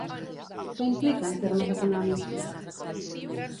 Què implica en termes econòmics?